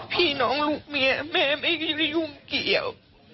พี่น้องลูกเมียแม่ไม่ได้ไปยุ่งเกี่ยว